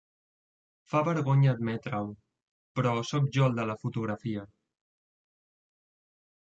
Fa vergonya admetre-ho, però soc jo el de la fotografia.